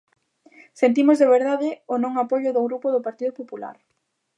Sentimos de verdade o non apoio do Grupo do Partido Popular.